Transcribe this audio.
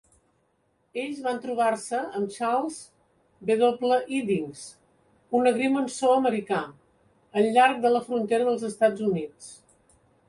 Ells van trobar-se amb Charles W. Iddings, un agrimensor americà, al llarg de la frontera dels Estats Units.